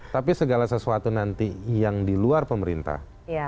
tapi segala sesuatu nanti yang di luar pemerintah